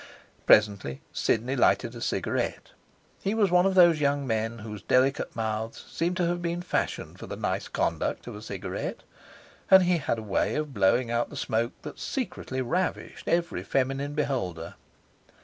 Presently, Sidney lighted a cigarette. He was of those young men whose delicate mouths seem to have been fashioned for the nice conduct of a cigarette. And he had a way of blowing out the smoke that secretly ravished every feminine beholder.